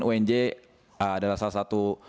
unj adalah salah satu